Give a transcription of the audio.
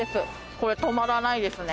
これ止まらないですね。